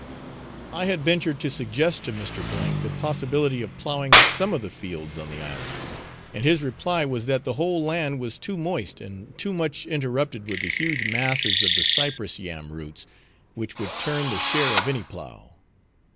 I had ventured to suggest to Mr. the possibility of ploughing some of the fields on the island, and his reply was that the whole land was too moist and too much interrupted with the huge masses of the Cypress yam roots, which would turn the share of any plough.